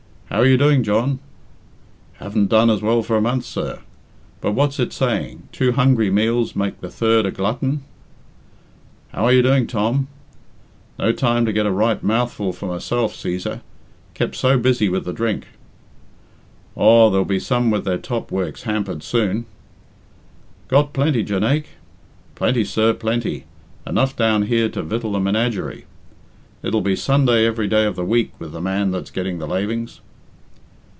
"How are you doing, John?" "Haven't done as well for a month, sir; but what's it saying, two hungry meals make the third a glutton." "How are you doing, Tom?" "No time to get a right mouthful for myself Cæsar; kept so busy with the drink." "Aw, there'll be some with their top works hampered soon." "Got plenty, Jonaique?" "Plenty, sir, plenty. Enough down here to victual a menagerie. It'll be Sunday every day of the week with the man that's getting the lavings."